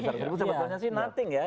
sebetulnya sih nothing ya